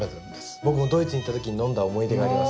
僕もドイツに行った時に飲んだ思い出があります。